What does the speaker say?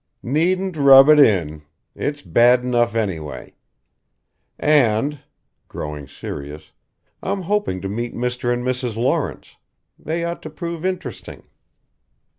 "Needn't rub it in. It's bad enough anyway. And" growing serious "I'm hoping to meet Mr. and Mrs. Lawrence. They ought to prove interesting."